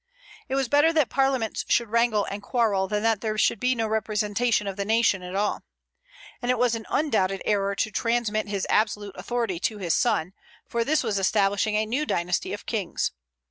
It was better that parliaments should wrangle and quarrel than that there should be no representation of the nation at all. And it was an undoubted error to transmit his absolute authority to his son, for this was establishing a new dynasty of kings.